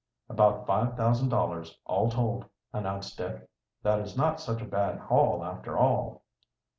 "About five thousand dollars, all told," announced Dick. "That is not such a bad haul, after all."